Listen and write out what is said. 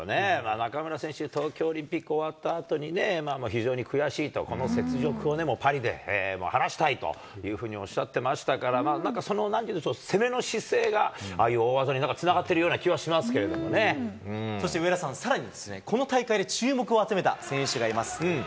中村選手、東京オリンピック終わったあとにね、非常に悔しいと、この雪辱をパリで晴らしたいというふうにおっしゃってましたから、なんかその、なんていうんでしょう、攻めの姿勢がああいう大技につながってるような気はしますけれどそして上田さん、さらにこの大会で注目を集めた選手がいます。